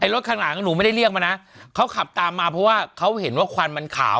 รถข้างหลังหนูไม่ได้เรียกมานะเขาขับตามมาเพราะว่าเขาเห็นว่าควันมันขาว